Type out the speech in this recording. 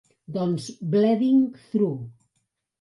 Doncs Bleeding Through.